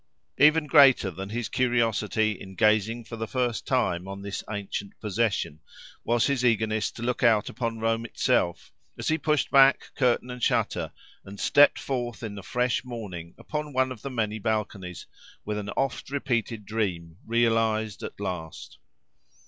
Even greater than his curiosity in gazing for the first time on this ancient possession, was his eagerness to look out upon Rome itself, as he pushed back curtain and shutter, and stepped forth in the fresh morning upon one of the many balconies, with an oft repeated dream realised at last.